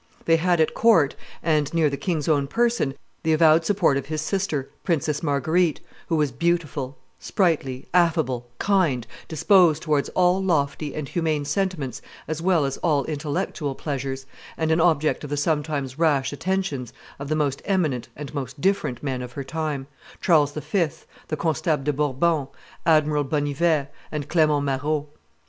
They had at court, and near the king's own person, the avowed support of his sister, Princess Marguerite, who was beautiful, sprightly, affable, kind, disposed towards all lofty and humane sentiments as well as all intellectual pleasures, and an object of the sometimes rash attentions of the most eminent and most different men of her time, Charles V., the Constable de Bourbon, Admiral Bonnivet, and Clement Marot.